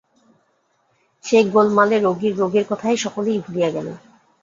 সে গোলমালে রোগীর রোগের কথা সকলেই ভুলিয়া গেল!